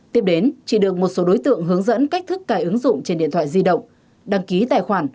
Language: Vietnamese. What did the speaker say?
tiếp đến chị được một số đối tượng hướng dẫn cách thức cài ứng dụng trên điện thoại di động đăng ký tài khoản